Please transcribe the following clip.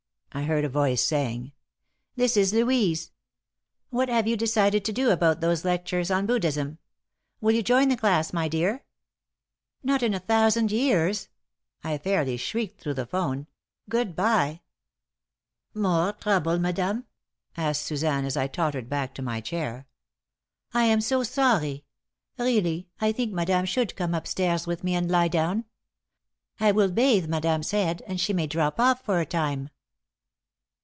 I heard a voice saying. "This is Louise. What have you decided to do about those lectures on Buddhism? Will you join the class, my dear?" "Not in a thousand years!" I fairly shrieked through the 'phone. "Good bye!" "More trouble, madame?" asked Suzanne, as I tottered back to my chair. "I am so sorry. Really, I think madame should come up stairs with me and lie down. I will bathe madame's head, and she may drop off for a time."